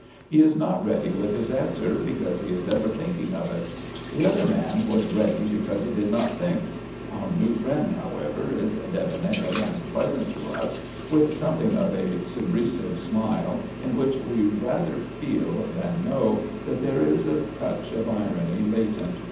He is not ready with his answer because he is ever thinking of it. The other man was ready because he did not think. Our new friend, however, is debonair and pleasant to us, with something of a subrisive smile in which we rather feel than know that there is a touch of irony latent.